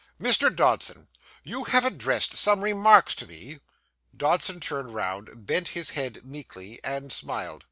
'Mr. Dodson, you have addressed some remarks to me.' Dodson turned round, bent his head meekly, and smiled.